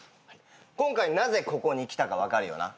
今回なぜここに来たか分かるよな？